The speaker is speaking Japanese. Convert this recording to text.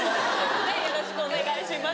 よろしくお願いします。